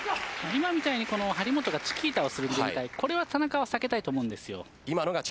今みたいに張本がチキータをする状態それを田中は避けたいと思います。